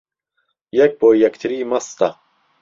یەک بۆ یەکتری مەستە